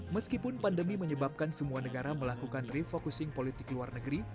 meskipun pandemi menyebabkan semua negara melakukan refocusing politik luar negeri